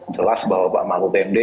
jelas bahwa pak mahfud md